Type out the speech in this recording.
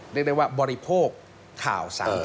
เรียกได้ว่าบริโภคข่าวสาร